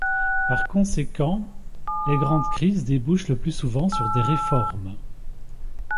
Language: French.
Par conséquent, les grandes crises débouchent le plus souvent sur des réformes.